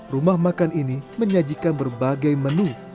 rumah makan ini menyajikan berbagai menu